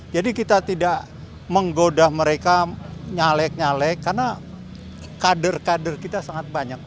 jadi kita tidak menggoda mereka nyalek nyalek karena kader kader kita sangat banyak